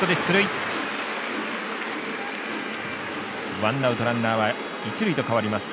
ワンアウト、ランナーは一塁と変わります。